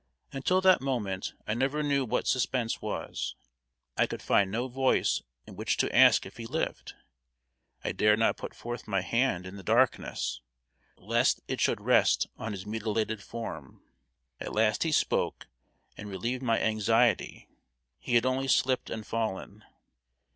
Until that moment I never knew what suspense was. I could find no voice in which to ask if he lived. I dared not put forth my hand in the darkness, lest it should rest on his mutilated form. At last he spoke, and relieved my anxiety. He had only slipped and fallen.